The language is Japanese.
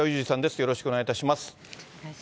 よろしくお願いします。